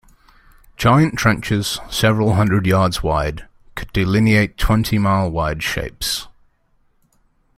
Giant trenches several hundred yards wide could delineate twenty-mile-wide shapes.